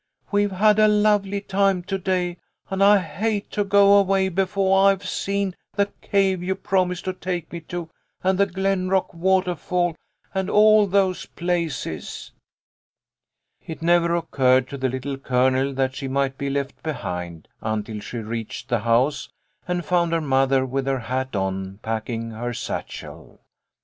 We've had a lovely time to day, and I hate to go away befo' I've seen the cave you promised to take me to and the Glen rock watahfall, and all those places." It never occurred to the Little Colonel that she might be left behind, until she reached the house and found her mother with her hat on, packing her satchel.